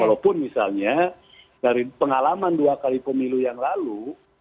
walaupun misalnya dari pengalaman dua kali pemilu yang lalu